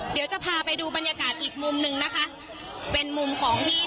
เดี๋ยวจะพาไปดูบรรยากาศอีกมุมหนึ่งนะคะเป็นมุมของที่